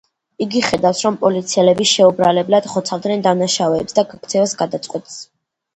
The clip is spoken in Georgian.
იგი ხედავს, რომ პოლიციელები შეუბრალებლად ხოცავდნენ დამნაშავეებს და გაქცევას გადაწყვეტს.